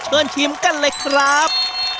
ชิมกันเลยครับ